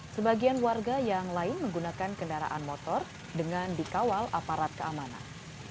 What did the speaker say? sebagian warga yang lain menggunakan kendaraan motor dengan dikawal aparat keamanan